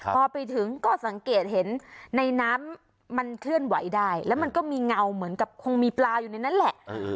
พอไปถึงก็สังเกตเห็นในน้ำมันเคลื่อนไหวได้แล้วมันก็มีเงาเหมือนกับคงมีปลาอยู่ในนั้นแหละ